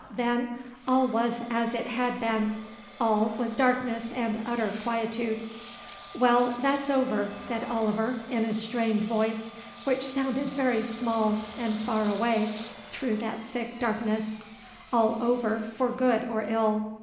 Then all was as it had been; all was darkness and utter quietude. "Well, that's over," said Oliver, in a strained voice which sounded very small and far away through that thick darkness; "all over for good or ill.